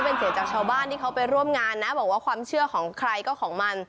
เป็นเสียงจากชาวบ้านที่เขาไปร่วมงานนะบอกว่าความเชื่อของใครก็ของมัน